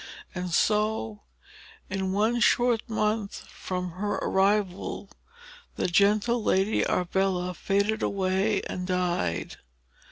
And so, in one short month from her arrival, the gentle Lady Arbella faded away and died.